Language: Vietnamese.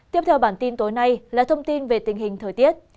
tiếp theo bản tin tối nay là thông tin về tình hình thời tiết